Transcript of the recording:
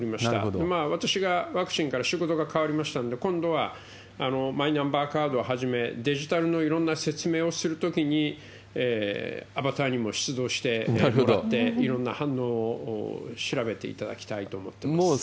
今、私がワクチンから仕事が変わりましたので、今度はマイナンバーカードをはじめ、デジタルのいろんな説明をするときに、アバターにも出動してもらって、いろんな反応を調べていただきたいと思ってます。